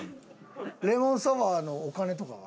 レモンサワーのお金とかは？